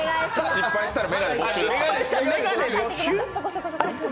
失敗したら眼鏡没収。